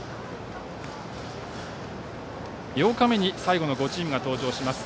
８日目に最後の５チームが登場します。